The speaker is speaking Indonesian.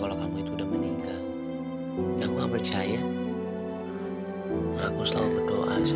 sampai jumpa di video selanjutnya